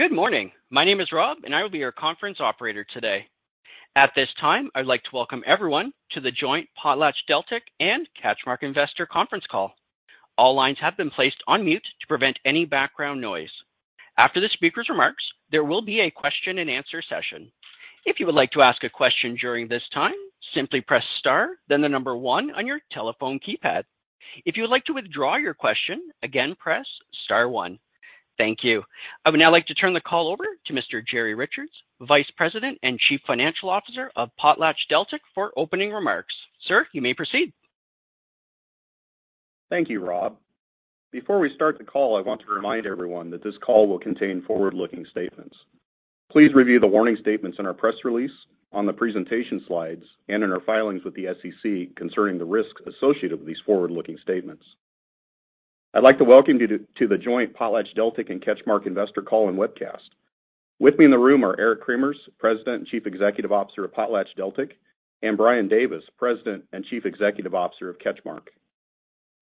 Good morning. My name is Rob, and I will be your conference operator today. At this time, I'd like to welcome everyone to the joint PotlatchDeltic and CatchMark investor conference call. All lines have been placed on mute to prevent any background noise. After the speaker's remarks, there will be a question-and-answer session. If you would like to ask a question during this time, simply press star then the number one on your telephone keypad. If you would like to withdraw your question, again, press star one. Thank you. I would now like to turn the call over to Mr. Jerry Richards, Vice President and Chief Financial Officer of PotlatchDeltic, for opening remarks. Sir, you may proceed. Thank you, Rob. Before we start the call, I want to remind everyone that this call will contain forward-looking statements. Please review the warning statements in our press release, on the presentation slides, and in our filings with the SEC concerning the risks associated with these forward-looking statements. I'd like to welcome you to the joint PotlatchDeltic and CatchMark investor call and webcast. With me in the room are Eric Cremers, President and Chief Executive Officer of PotlatchDeltic, and Brian Davis, President and Chief Executive Officer of CatchMark.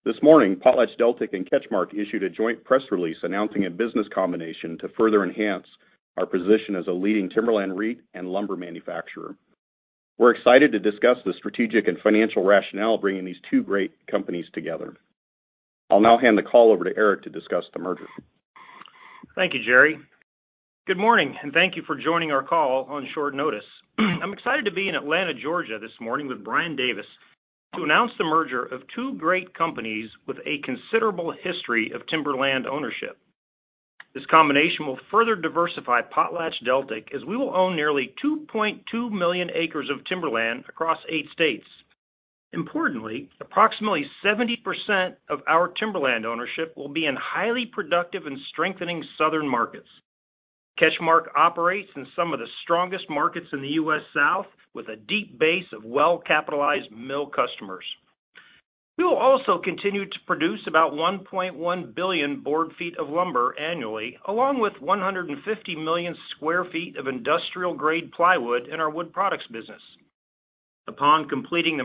This morning, PotlatchDeltic and CatchMark issued a joint press release announcing a business combination to further enhance our position as a leading timberland REIT and lumber manufacturer. We're excited to discuss the strategic and financial rationale bringing these two great companies together. I'll now hand the call over to Eric to discuss the merger. Thank you, Jerry. Good morning, and thank you for joining our call on short notice. I'm excited to be in Atlanta, Georgia, this morning with Brian Davis to announce the merger of two great companies with a considerable history of timberland ownership. This combination will further diversify PotlatchDeltic as we will own nearly 2.2 million acres of timberland across eight states. Importantly, approximately 70% of our timberland ownership will be in highly productive and strengthening southern markets. CatchMark operates in some of the strongest markets in the U.S. South with a deep base of well-capitalized mill customers. We will also continue to produce about 1.1 billion board feet of lumber annually, along with 150 million square feet of industrial-grade plywood in our wood products business. Upon completing the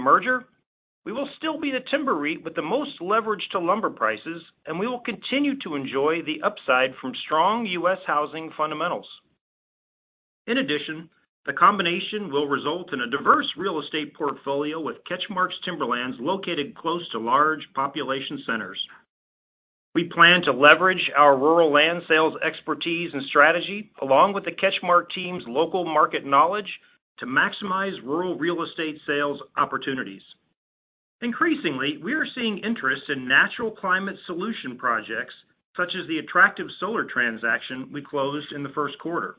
merger, we will still be the timber REIT with the most leverage to lumber prices, and we will continue to enjoy the upside from strong U.S. housing fundamentals. In addition, the combination will result in a diverse real estate portfolio with CatchMark's timberlands located close to large population centers. We plan to leverage our rural land sales expertise and strategy along with the CatchMark team's local market knowledge to maximize rural real estate sales opportunities. Increasingly, we are seeing interest in natural climate solutions projects, such as the attractive solar transaction we closed in the first quarter.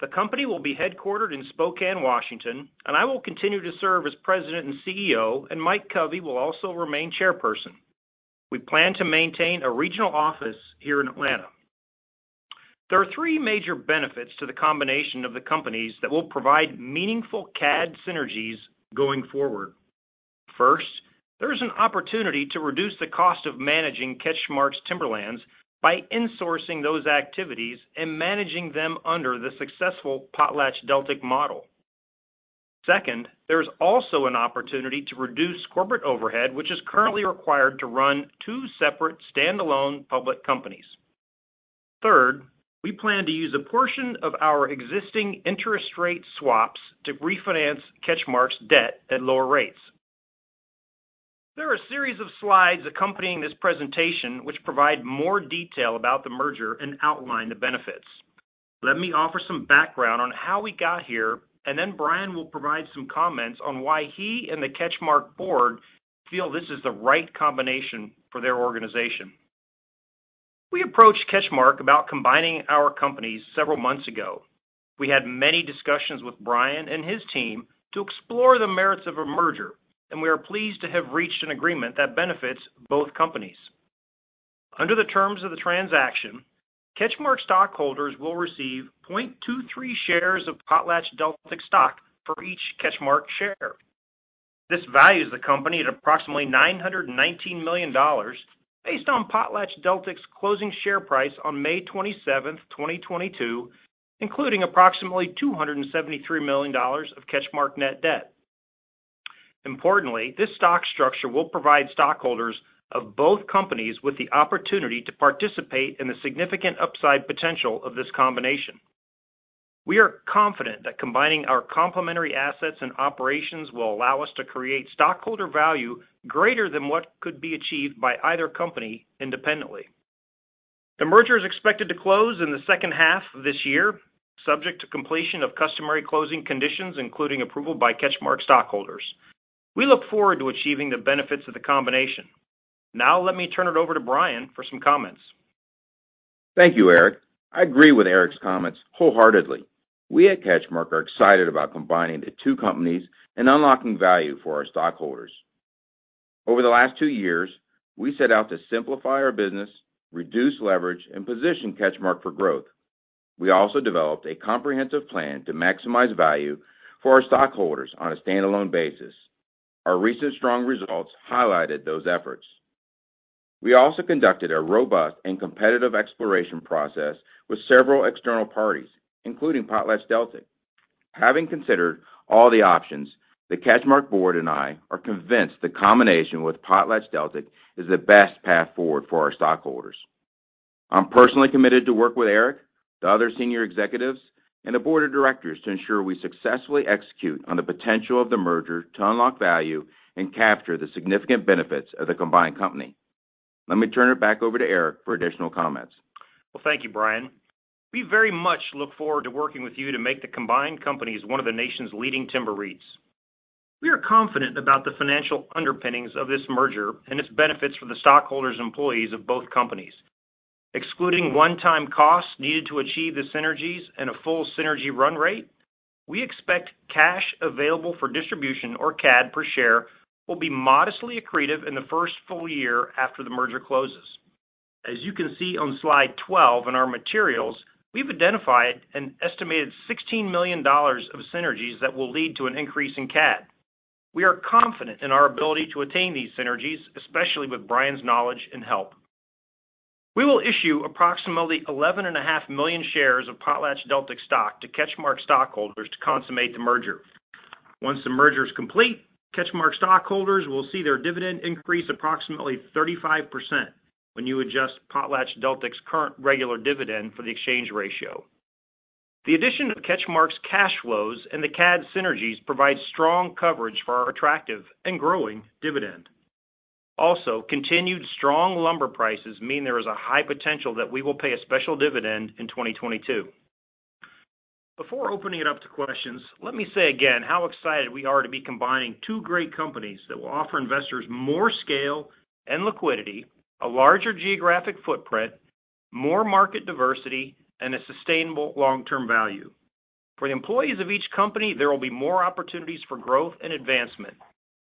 The company will be headquartered in Spokane, Washington, and I will continue to serve as President and CEO, and Mike Covey will also remain Chairperson. We plan to maintain a regional office here in Atlanta. There are three major benefits to the combination of the companies that will provide meaningful CAD synergies going forward. First, there's an opportunity to reduce the cost of managing CatchMark's timberlands by insourcing those activities and managing them under the successful PotlatchDeltic model. Second, there is also an opportunity to reduce corporate overhead, which is currently required to run two separate standalone public companies. Third, we plan to use a portion of our existing interest rate swaps to refinance CatchMark's debt at lower rates. There are a series of slides accompanying this presentation which provide more detail about the merger and outline the benefits. Let me offer some background on how we got here, and then Brian will provide some comments on why he and the CatchMark board feel this is the right combination for their organization. We approached CatchMark about combining our companies several months ago. We had many discussions with Brian and his team to explore the merits of a merger, and we are pleased to have reached an agreement that benefits both companies. Under the terms of the transaction, CatchMark stockholders will receive 0.23 shares of PotlatchDeltic stock for each CatchMark share. This values the company at approximately $919 million based on PotlatchDeltic's closing share price on May 27th, 2022, including approximately $273 million of CatchMark net debt. Importantly, this stock structure will provide stockholders of both companies with the opportunity to participate in the significant upside potential of this combination. We are confident that combining our complementary assets and operations will allow us to create stockholder value greater than what could be achieved by either company independently. The merger is expected to close in the second half of this year, subject to completion of customary closing conditions, including approval by CatchMark stockholders. We look forward to achieving the benefits of the combination. Now let me turn it over to Brian for some comments. Thank you, Eric. I agree with Eric's comments wholeheartedly. We at CatchMark are excited about combining the two companies and unlocking value for our stockholders. Over the last two years, we set out to simplify our business, reduce leverage, and position CatchMark for growth. We also developed a comprehensive plan to maximize value for our stockholders on a standalone basis. Our recent strong results highlighted those efforts. We also conducted a robust and competitive exploration process with several external parties, including PotlatchDeltic. Having considered all the options, the CatchMark board and I are convinced the combination with PotlatchDeltic is the best path forward for our stockholders. I'm personally committed to work with Eric, the other senior executives, and the board of directors to ensure we successfully execute on the potential of the merger to unlock value and capture the significant benefits of the combined company. Let me turn it back over to Eric for additional comments. Well, thank you, Brian. We very much look forward to working with you to make the combined companies one of the nation's leading timber REITs. We are confident about the financial underpinnings of this merger and its benefits for the stockholders and employees of both companies. Excluding one-time costs needed to achieve the synergies and a full synergy run rate, we expect cash available for distribution, or CAD, per share will be modestly accretive in the first full year after the merger closes. As you can see on slide 12 in our materials, we've identified an estimated $16 million of synergies that will lead to an increase in CAD. We are confident in our ability to attain these synergies, especially with Brian's knowledge and help. We will issue approximately 11.5 million shares of PotlatchDeltic stock to CatchMark stockholders to consummate the merger. Once the merger is complete, CatchMark stockholders will see their dividend increase approximately 35% when you adjust PotlatchDeltic's current regular dividend for the exchange ratio. The addition of CatchMark's cash flows and the CAD synergies provide strong coverage for our attractive and growing dividend. Continued strong lumber prices mean there is a high potential that we will pay a special dividend in 2022. Before opening it up to questions, let me say again how excited we are to be combining two great companies that will offer investors more scale and liquidity, a larger geographic footprint, more market diversity, and a sustainable long-term value. For the employees of each company, there will be more opportunities for growth and advancement.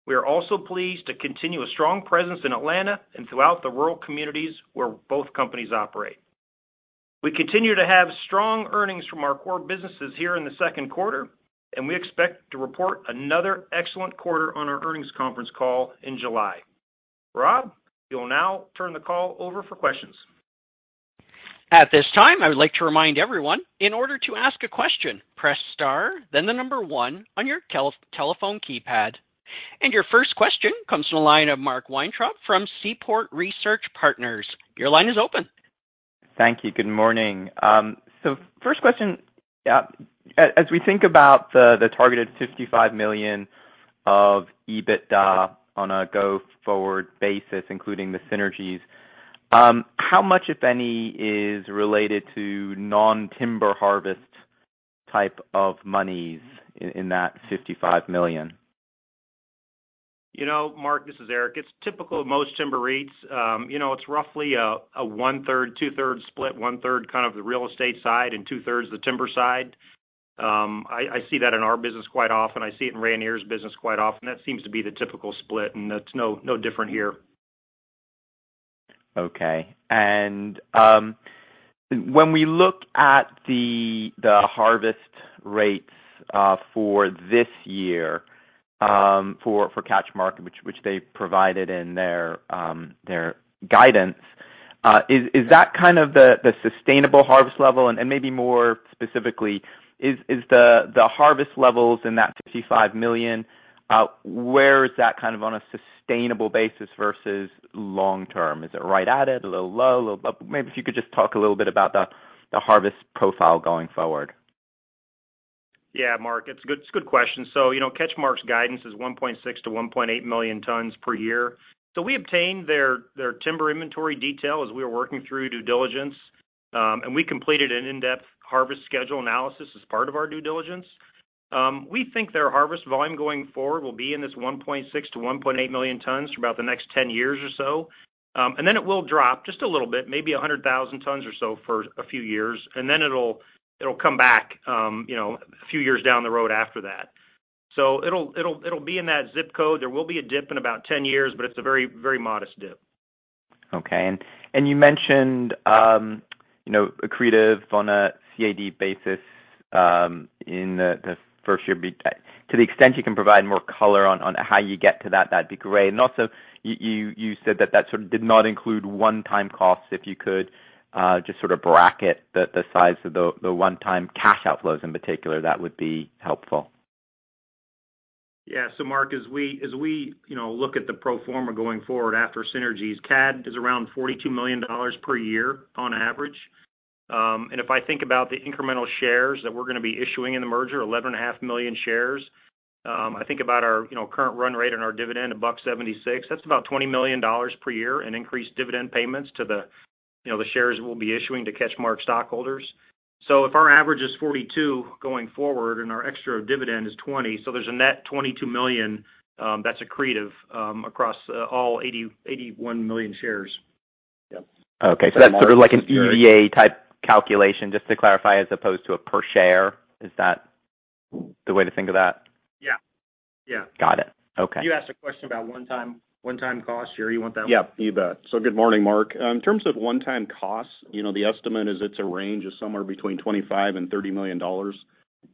We are also pleased to continue a strong presence in Atlanta and throughout the rural communities where both companies operate. We continue to have strong earnings from our core businesses here in the second quarter, and we expect to report another excellent quarter on our earnings conference call in July. Rob, we will now turn the call over for questions. At this time, I would like to remind everyone, in order to ask a question, press star, then the number one on your telephone keypad. Your first question comes from the line of Mark Weintraub from Seaport Research Partners. Your line is open. Thank you. Good morning. First question. As we think about the targeted $55 million of EBITDA on a go-forward basis, including the synergies, how much, if any, is related to non-timber harvest type of monies in that $55 million? You know, Mark, this is Eric. It's typical of most timber REITs. You know, it's roughly a 1/3, 2/3 split, 1/3 kind of the real estate side and 2/3 the timber side. I see that in our business quite often. I see it in Rayonier's business quite often. That seems to be the typical split, and it's no different here. Okay. When we look at the harvest rates for this year for CatchMark, which they provided in their guidance, is that kind of the sustainable harvest level? Maybe more specifically, is the harvest levels in that 55 million where is that kind of on a sustainable basis versus long term? Is it right at it? A little low? Maybe if you could just talk a little bit about the harvest profile going forward. Yeah. Mark, it's a good question. You know, CatchMark's guidance is 1.6-1.8 million tons per year. We obtained their timber inventory detail as we were working through due diligence, and we completed an in-depth harvest schedule analysis as part of our due diligence. We think their harvest volume going forward will be in this 1.6-1.8 million tons for about the next 10 years or so. It will drop just a little bit, maybe 100,000 tons or so for a few years, and then it'll come back, you know, a few years down the road after that. It'll be in that zip code. There will be a dip in about 10 years, but it's a very, very modest dip. Okay. You mentioned, you know, accretive on a CAD basis, in the first year. To the extent you can provide more color on how you get to that'd be great. Also you said that that sort of did not include one-time costs. If you could just sort of bracket the size of the one-time cash outflows in particular, that would be helpful. Yeah. Mark, you know, look at the pro forma going forward after synergies, CAD is around $42 million per year on average. And if I think about the incremental shares that we're gonna be issuing in the merger, 11.5 million shares, I think about our, you know, current run rate on our dividend, $1.76. That's about $20 million per year in increased dividend payments to the, you know, the shares we'll be issuing to CatchMark stockholders. If our average is 42 going forward and our extra dividend is 20, there's a net $22 million, that's accretive across all 81 million shares. Yeah. Okay. That's sort of like an EBITDA type calculation, just to clarify, as opposed to a per share? Is that the way to think of that? Yeah. Yeah. Got it. Okay. You asked a question about one-time costs. Jerry, you want that one? Yeah, you bet. Good morning, Mark. In terms of one-time costs, you know, the estimate is it's a range of somewhere between $25 million and $30 million.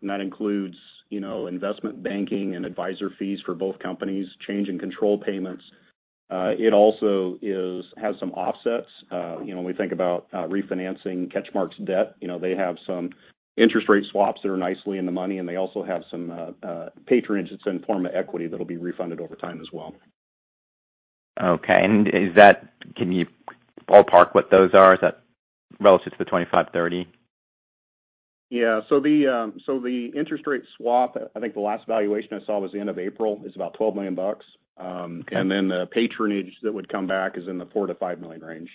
That includes, you know, investment banking and advisor fees for both companies, change in control payments. It also has some offsets. You know, when we think about refinancing CatchMark's debt, you know, they have some interest rate swaps that are nicely in the money, and they also have some patronage that's in the form of equity that'll be refunded over time as well. Okay. Can you ballpark what those are? Is that relative to the $25 million-$30 million? The interest rate swap, I think the last valuation I saw was the end of April, is about $12 million. Okay. The patronage that would come back is in the $4 million-$5 million range.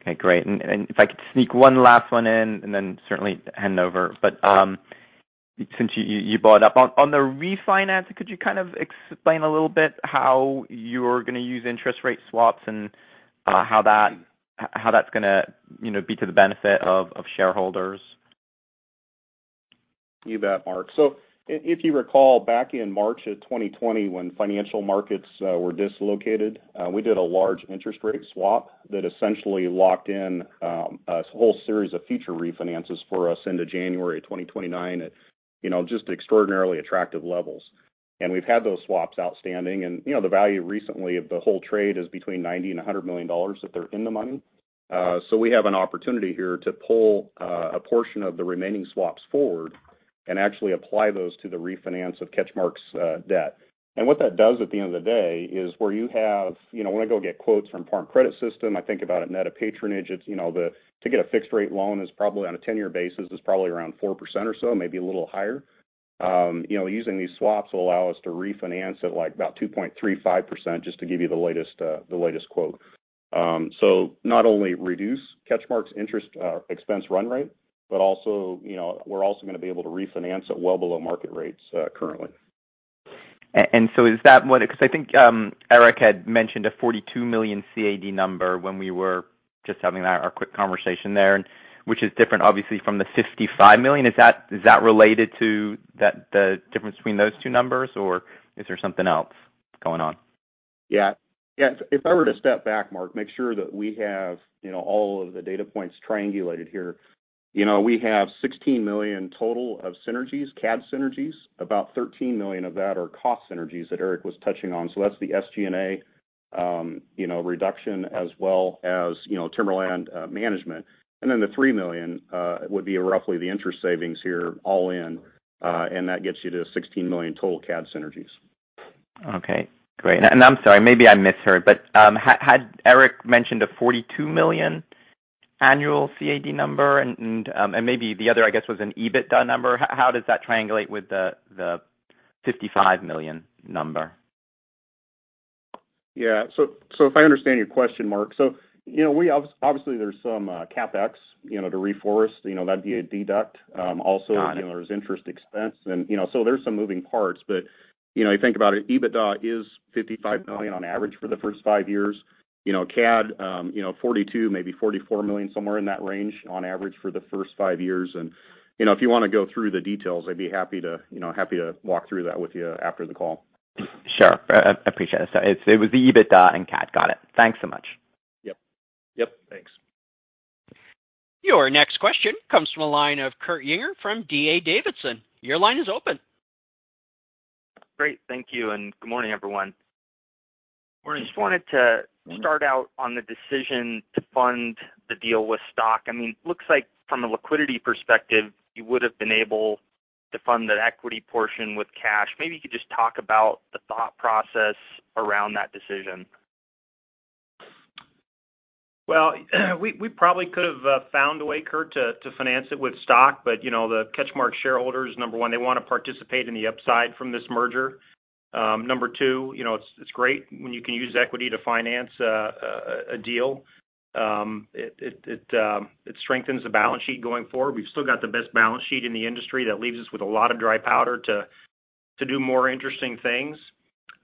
Okay, great. If I could sneak one last one in and then certainly hand over. Since you brought it up, on the refinance, could you kind of explain a little bit how you're gonna use interest rate swaps and how that's gonna, you know, be to the benefit of shareholders? You bet, Mark. If you recall back in March 2020 when financial markets were dislocated, we did a large interest rate swap that essentially locked in a whole series of future refinances for us into January 2029 at, you know, just extraordinarily attractive levels. We've had those swaps outstanding and, you know, the value recently of the whole trade is between $90 million-$100 million if they're in the money. We have an opportunity here to pull a portion of the remaining swaps forward and actually apply those to the refinance of CatchMark's debt. What that does at the end of the day is, you know, when I go get quotes from Farm Credit System, I think about a net of patronage. To get a fixed rate loan is probably on a 10-year basis, is probably around 4% or so, maybe a little higher. You know, using these swaps will allow us to refinance at, like, about 2.35%, just to give you the latest quote. Not only reduce CatchMark's interest expense run rate, but also, you know, we're also gonna be able to refinance at well below market rates currently. Is that what? 'Cause I think Eric had mentioned a 42 million CAD number when we were just having our quick conversation there, and which is different obviously from the $55 million. Is that related to that, the difference between those two numbers, or is there something else going on? If I were to step back, Mark, make sure that we have, you know, all of the data points triangulated here. You know, we have $16 million total of synergies, CAD synergies. About $13 million of that are cost synergies that Eric was touching on, so that's the SG&A, you know, reduction as well as, you know, timberland management. The $3 million would be roughly the interest savings here all in, and that gets you to $16 million total CAD synergies. Okay, great. I'm sorry, maybe I misheard, but had Eric mentioned a $42 million annual CAD number and maybe the other, I guess, was an EBITDA number. How does that triangulate with the $55 million number? Yeah. If I understand your question, Mark, so, you know, we obviously there's some CapEx, you know, to reforest, you know, that'd be a deduct. Also- Got it. You know, there's interest expense and, you know. There's some moving parts. You know, you think about it, EBITDA is $55 million on average for the first five years. You know, CAD $42 million-$44 million, somewhere in that range on average for the first five years. You know, if you wanna go through the details, I'd be happy to, you know, happy to walk through that with you after the call. Sure. Appreciate it. It was the EBITDA and CAD. Got it. Thanks so much. Yep. Yep, thanks. Your next question comes from the line of Kurt Yinger from D.A. Davidson. Your line is open. Great. Thank you, and good morning, everyone. Morning. Just wanted to start out on the decision to fund the deal with stock. I mean, looks like from a liquidity perspective, you would've been able to fund that equity portion with cash. Maybe you could just talk about the thought process around that decision. Well, we probably could have found a way, Kurt, to finance it with stock. You know, the CatchMark shareholders, number one, they wanna participate in the upside from this merger. Number two, you know, it's great when you can use equity to finance a deal. It strengthens the balance sheet going forward. We've still got the best balance sheet in the industry that leaves us with a lot of dry powder to do more interesting things.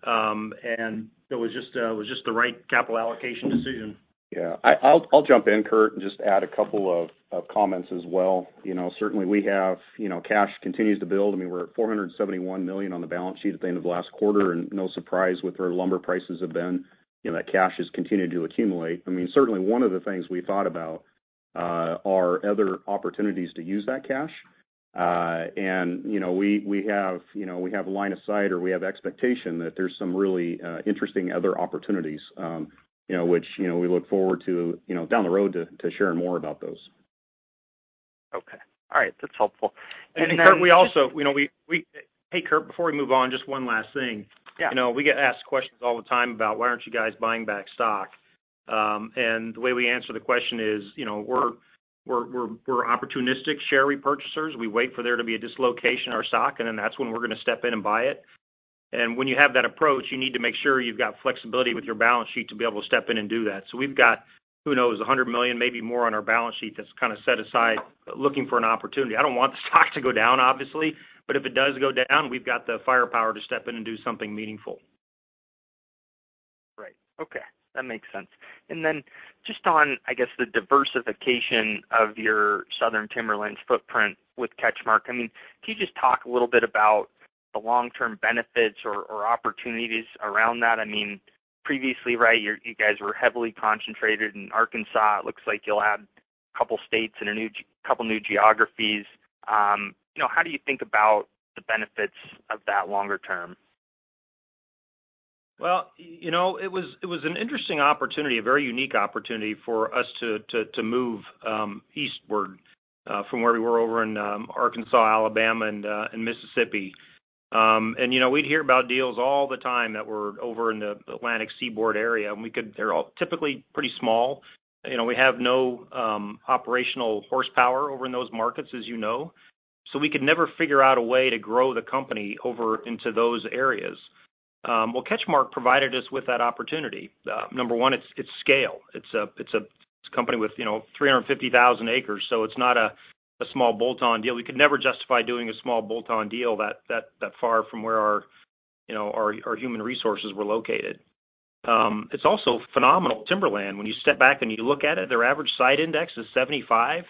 It was just the right capital allocation decision. Yeah. I'll jump in, Kurt, and just add a couple of comments as well. You know, certainly we have. You know, cash continues to build. I mean, we're at $471 million on the balance sheet at the end of last quarter, and no surprise with where lumber prices have been. You know, that cash has continued to accumulate. I mean, certainly one of the things we thought about are other opportunities to use that cash. You know, we have a line of sight or we have expectation that there's some really interesting other opportunities, you know, which we look forward to down the road to sharing more about those. Okay. All right. That's helpful. Hey, Kurt, before we move on, just one last thing. Yeah. You know, we get asked questions all the time about why aren't you guys buying back stock? The way we answer the question is, you know, we're opportunistic share repurchasers. We wait for there to be a dislocation of our stock, and then that's when we're gonna step in and buy it. When you have that approach, you need to make sure you've got flexibility with your balance sheet to be able to step in and do that. We've got, who knows, $100 million, maybe more on our balance sheet that's kinda set aside looking for an opportunity. I don't want the stock to go down, obviously, but if it does go down, we've got the firepower to step in and do something meaningful. Right. Okay. That makes sense. Then just on, I guess, the diversification of your southern timberlands footprint with CatchMark, I mean, can you just talk a little bit about the long-term benefits or opportunities around that? I mean, previously, right, you guys were heavily concentrated in Arkansas. It looks like you'll add a couple states in a couple new geographies. You know, how do you think about the benefits of that longer term? You know, it was an interesting opportunity, a very unique opportunity for us to move eastward from where we were over in Arkansas, Alabama, and Mississippi. You know, we'd hear about deals all the time that were over in the Atlantic Seaboard area. They're all typically pretty small. You know, we have no operational horsepower over in those markets, as you know. We could never figure out a way to grow the company over into those areas. CatchMark provided us with that opportunity. Number one, it's scale. It's a company with, you know, 350,000 acres, so it's not a small bolt-on deal. We could never justify doing a small bolt-on deal that far from where, you know, our human resources were located. It's also phenomenal timberland. When you step back and you look at it, their average site index is 75.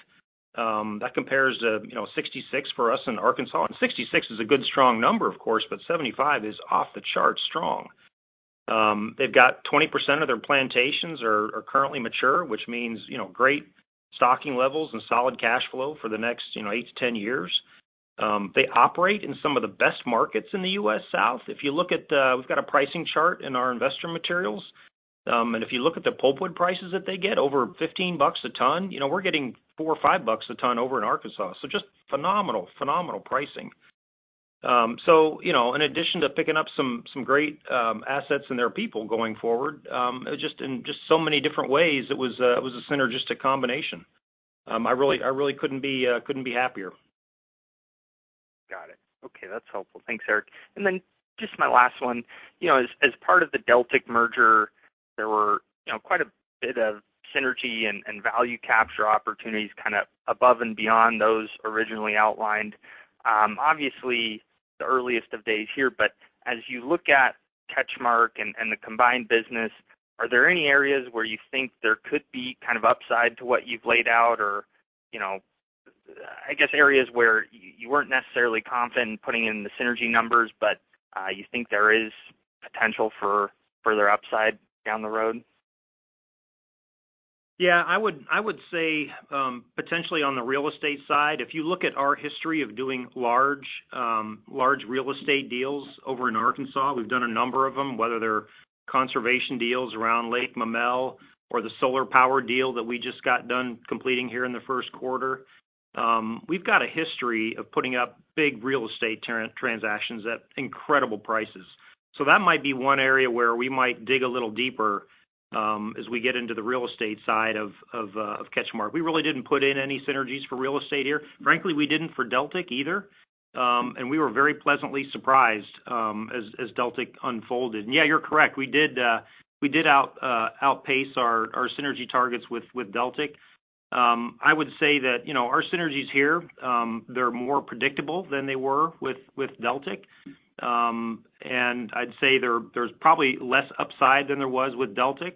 That compares, you know, 66 for us in Arkansas. 66 is a good, strong number, of course, but 75 is off the charts strong. They've got 20% of their plantations are currently mature, which means, you know, great stocking levels and solid cash flow for the next, you know, 8-10 years. They operate in some of the best markets in the U.S. South. If you look at, we've got a pricing chart in our investor materials. If you look at the pulpwood prices that they get, over $15 a ton. You know, we're getting $4-$5 a ton over in Arkansas, so just phenomenal pricing. You know, in addition to picking up some great assets and their people going forward, just so many different ways it was a synergistic combination. I really couldn't be happier. Got it. Okay. That's helpful. Thanks, Eric. Then just my last one. You know, as part of the Deltic merger, there were, you know, quite a bit of synergy and value capture opportunities kind of above and beyond those originally outlined. Obviously the early days here, but as you look at CatchMark and the combined business, are there any areas where you think there could be kind of upside to what you've laid out or, you know, I guess, areas where you weren't necessarily confident in putting in the synergy numbers, but you think there is potential for further upside down the road? Yeah. I would say potentially on the real estate side. If you look at our history of doing large real estate deals over in Arkansas, we've done a number of them, whether they're conservation deals around Lake Maumelle or the solar power deal that we just got done completing here in the first quarter. We've got a history of putting up big real estate transactions at incredible prices. That might be one area where we might dig a little deeper as we get into the real estate side of CatchMark. We really didn't put in any synergies for real estate here. Frankly, we didn't for Deltic either. We were very pleasantly surprised as Deltic unfolded. Yeah, you're correct, we did outpace our synergy targets with Deltic. I would say that, you know, our synergies here, they're more predictable than they were with Deltic. I'd say there's probably less upside than there was with Deltic,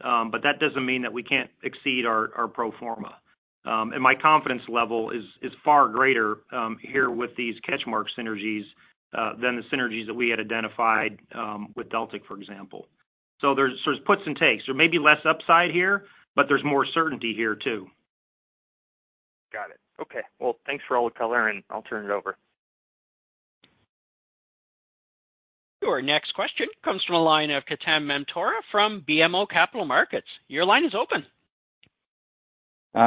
but that doesn't mean that we can't exceed our pro forma. My confidence level is far greater here with these CatchMark synergies than the synergies that we had identified with Deltic, for example. There's puts and takes. There may be less upside here, but there's more certainty here too. Got it. Okay. Well, thanks for all the color, and I'll turn it over. Your next question comes from the line of Ketan Mamtora from BMO Capital Markets. Your line is open.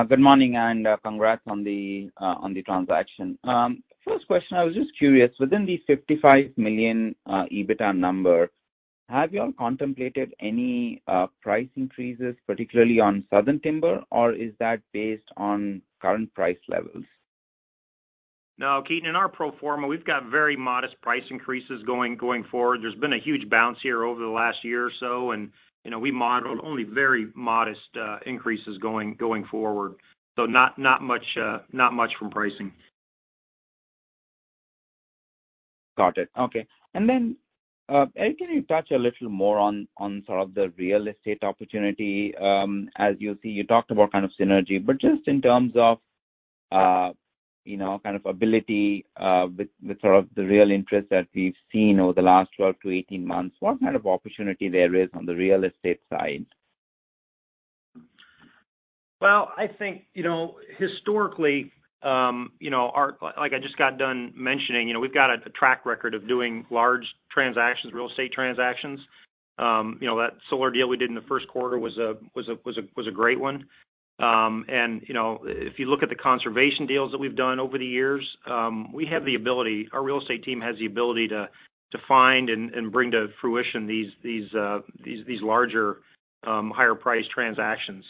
Good morning, and congrats on the transaction. First question, I was just curious, within the $55 million EBITDA number, have you all contemplated any price increases, particularly on southern timber, or is that based on current price levels? No, Ketan. In our pro forma, we've got very modest price increases going forward. There's been a huge bounce here over the last year or so, and, you know, we modeled only very modest increases going forward. Not much from pricing. Got it. Okay. Eric, can you touch a little more on sort of the real estate opportunity? As you see, you talked about kind of synergy, but just in terms of you know, kind of ability with sort of the real interest that we've seen over the last 12-18 months, what kind of opportunity there is on the real estate side? Well, I think, you know, historically, you know, Like I just got done mentioning, you know, we've got a track record of doing large transactions, real estate transactions. You know, that solar deal we did in the first quarter was a great one. You know, if you look at the conservation deals that we've done over the years, we have the ability, our real estate team has the ability to find and bring to fruition these larger, higher priced transactions.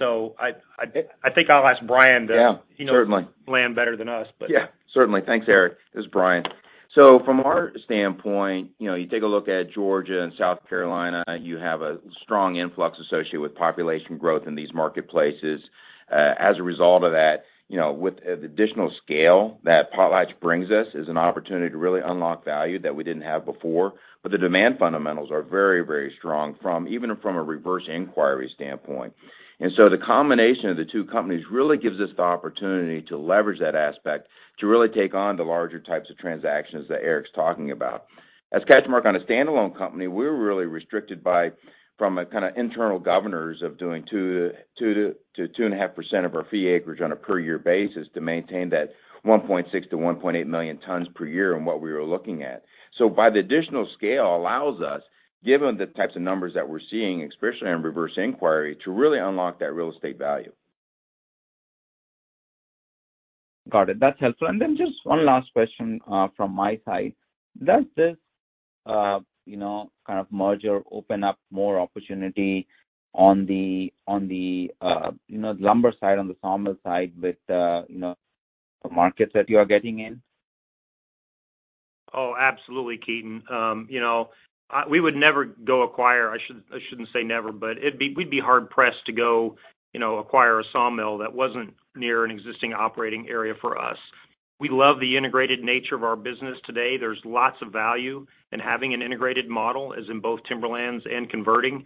I think I'll ask Brian to- Yeah. Certainly. He knows the plan better than us, but. Yeah. Certainly. Thanks, Eric. This is Brian. From our standpoint, you know, you take a look at Georgia and South Carolina, you have a strong influx associated with population growth in these marketplaces. As a result of that, you know, with the additional scale that PotlatchDeltic brings us is an opportunity to really unlock value that we didn't have before, but the demand fundamentals are very, very strong from even from a reverse inquiry standpoint. The combination of the two companies really gives us the opportunity to leverage that aspect to really take on the larger types of transactions that Eric's talking about. As CatchMark on a standalone company, we're really restricted by from a kind of internal guidelines of doing 2%-2.5% of our fee acreage on a per year basis to maintain that 1.6-1.8 million tons per year on what we were looking at. The additional scale allows us, given the types of numbers that we're seeing, especially in investor inquiry, to really unlock that real estate value. Got it. That's helpful. Just one last question from my side. Does this you know kind of merger open up more opportunity on the you know lumber side, on the sawmill side with you know the markets that you are getting in? Oh, absolutely, Ketan. You know, we would never go acquire. I should, I shouldn't say never, but it'd be we'd be hard pressed to go, you know, acquire a sawmill that wasn't near an existing operating area for us. We love the integrated nature of our business today. There's lots of value in having an integrated model, as in both timberlands and converting.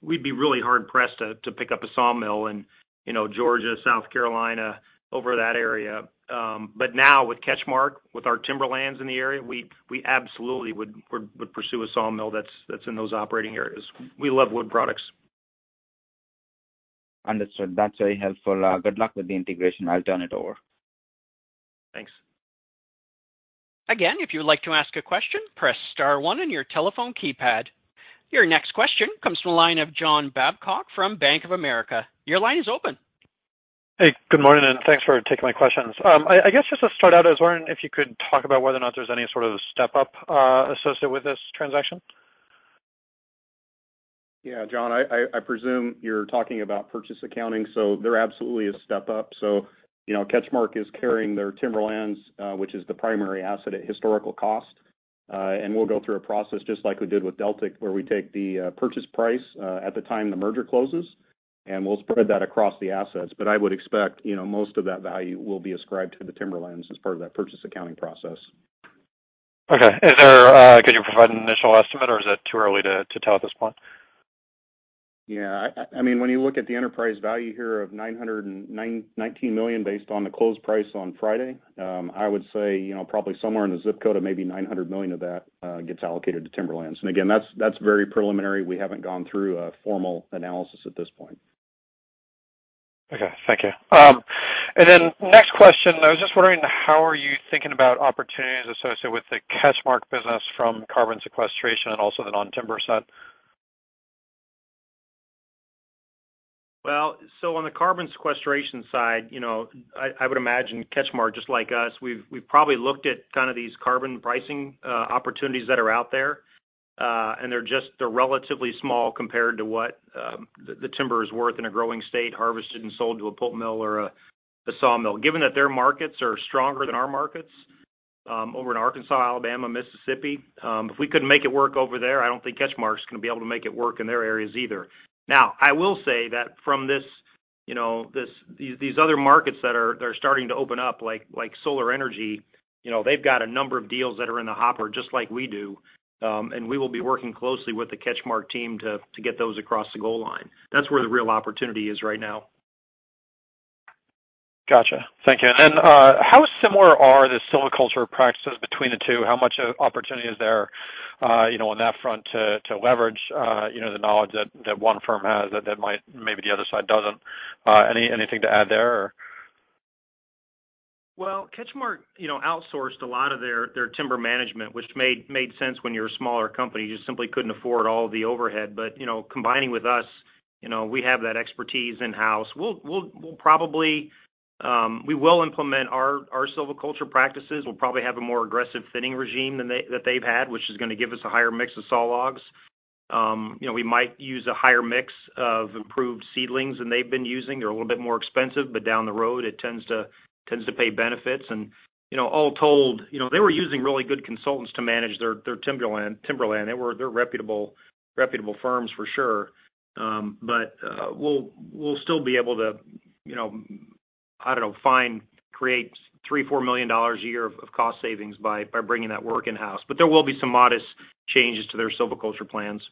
We'd be really hard pressed to pick up a sawmill in, you know, Georgia, South Carolina, over that area. But now with CatchMark, with our timberlands in the area, we absolutely would pursue a sawmill that's in those operating areas. We love wood products. Understood. That's very helpful. Good luck with the integration. I'll turn it over. Thanks. Again, if you would like to ask a question, press star one on your telephone keypad. Your next question comes from the line of John Babcock from Bank of America. Your line is open. Hey, good morning, and thanks for taking my questions. I guess just to start out, I was wondering if you could talk about whether or not there's any sort of step-up associated with this transaction. Yeah, John, I presume you're talking about purchase accounting, so there absolutely is step-up. You know, CatchMark is carrying their timberlands, which is the primary asset at historical cost. We'll go through a process just like we did with Deltic, where we take the purchase price at the time the merger closes, and we'll spread that across the assets. I would expect, you know, most of that value will be ascribed to the timberlands as part of that purchase accounting process. Okay. Could you provide an initial estimate, or is it too early to tell at this point? Yeah. I mean, when you look at the enterprise value here of $919 million based on the close price on Friday, I would say, you know, probably somewhere in the zip code of maybe $900 million of that gets allocated to timberlands. That's very preliminary. We haven't gone through a formal analysis at this point. Okay. Thank you. Next question, I was just wondering how are you thinking about opportunities associated with the CatchMark business from carbon sequestration and also the non-timber assets? On the carbon sequestration side, you know, I would imagine CatchMark, just like us, we've probably looked at kind of these carbon pricing opportunities that are out there, and they're just relatively small compared to what the timber is worth in a growing state harvested and sold to a pulp mill or a sawmill. Given that their markets are stronger than our markets over in Arkansas, Alabama, Mississippi, if we couldn't make it work over there, I don't think CatchMark's gonna be able to make it work in their areas either. Now, I will say that from this, you know, these other markets that are starting to open up, like solar energy, you know, they've got a number of deals that are in the hopper just like we do, and we will be working closely with the CatchMark team to get those across the goal line. That's where the real opportunity is right now. Gotcha. Thank you. How similar are the silviculture practices between the two? How much opportunity is there, you know, on that front to leverage, you know, the knowledge that one firm has that might maybe the other side doesn't? Anything to add there or? Well, CatchMark, you know, outsourced a lot of their timber management, which made sense when you're a smaller company. You just simply couldn't afford all of the overhead. You know, combining with us, you know, we have that expertise in-house. We will implement our silviculture practices. We'll probably have a more aggressive thinning regime than they've had, which is gonna give us a higher mix of sawlogs. You know, we might use a higher mix of improved seedlings than they've been using. They're a little bit more expensive, but down the road, it tends to pay benefits. You know, all told, you know, they were using really good consultants to manage their timberland. They're reputable firms for sure. We'll still be able to, you know, I don't know, find, create $3 million-$4 million a year of cost savings by bringing that work in-house. There will be some modest changes to their silviculture plans.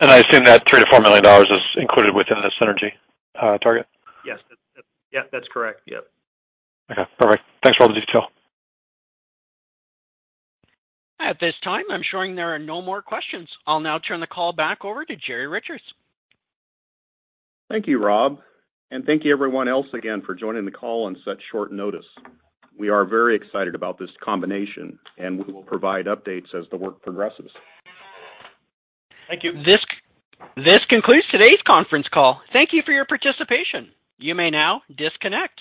I assume that $3 million-$4 million is included within the synergy target? Yes. That's correct. Yep. Okay. Perfect. Thanks for all the detail. At this time, I'm showing there are no more questions. I'll now turn the call back over to Jerry Richards. Thank you, Rob, and thank you everyone else again for joining the call on such short notice. We are very excited about this combination, and we will provide updates as the work progresses. Thank you. This concludes today's conference call. Thank you for your participation. You may now disconnect.